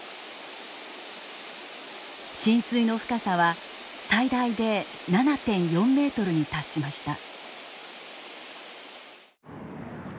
浸水の深さは最大で７．４ｍに達しました。